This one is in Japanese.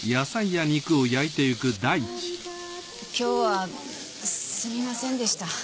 今日はすみませんでした。